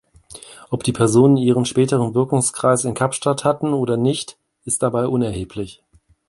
Ob die Personen ihren späteren Wirkungskreis in Kapstadt hatten oder nicht, ist dabei unerheblich.